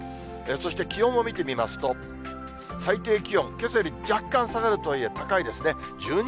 そして気温を見てみますと、最低気温、けさより若干下がるとはいえ、高いですね。